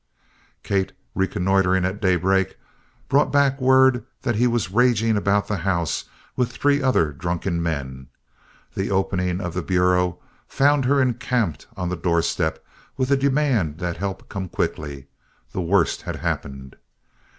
Kate, reconnoitering at daybreak, brought back word that he was raging around the house with three other drunken men. The opening of the Bureau found her encamped on the doorstep with a demand that help come quickly the worst had happened.